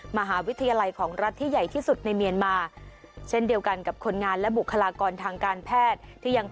มหาวิทยาลัยของรัฐที่ใหญ่ที่สุดในเมียนมาเช่นเดียวกันกับคนงานและบุคลากรทางการแพทย์ที่ยัง